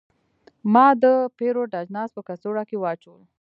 ما د پیرود اجناس په کڅوړه کې واچول.